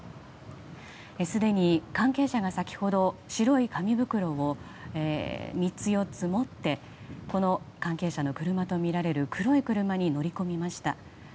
すでに関係者が先ほど、白い紙袋を３つ、４つ持って関係者の車とみられる黒い車に乗り込みました。